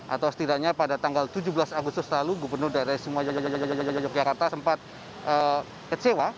atau setidaknya pada tanggal tujuh belas agustus lalu gubernur daerah semua yogyakarta sempat kecewa